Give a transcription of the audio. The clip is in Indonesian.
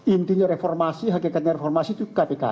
intinya reformasi hakikatnya reformasi itu kpk